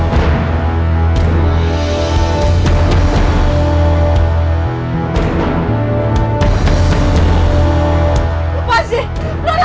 lepasin lo lepasin aku clara